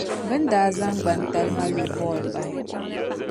Bɛ ni daa zaŋ gbantalima lo Paul bahi.